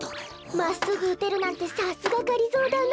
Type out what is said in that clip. まっすぐうてるなんてさすががりぞーだな。